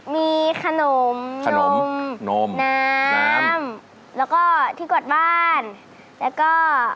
มีขนมขนมนมน้ำแล้วก็ที่กดบ้านแล้วก็